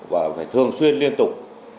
và phải thường xuyên liên tục